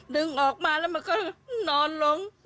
ดึงออกมาแล้วมันก็นอนลง